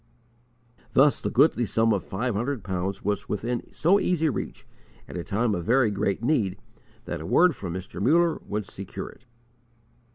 Thus the goodly sum of five hundred pounds was within so easy reach, at a time of very great need, that a word from Mr. Muller would secure it.